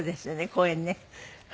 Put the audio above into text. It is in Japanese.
公園ね。